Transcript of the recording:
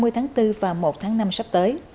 hai mươi tháng bốn và một tháng năm sắp tới